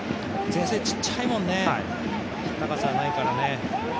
前線、ちっちゃいもんね、高さはないからね。